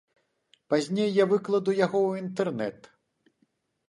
Пазней я выкладу яго ў інтэрнэт.